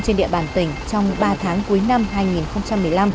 trên địa bàn tỉnh trong ba tháng cuối năm hai nghìn một mươi năm